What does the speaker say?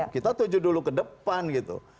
kita tuju dulu ke depan gitu